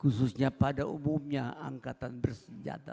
khususnya pada umumnya angkatan bersenjata